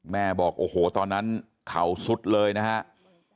บอกโอ้โหตอนนั้นเขาสุดเลยนะครับ